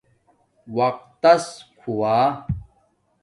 وقتس کھوا